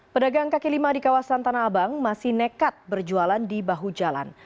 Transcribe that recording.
pedagang kaki lima di kawasan tanah abang masih nekat berjualan di bahu jalan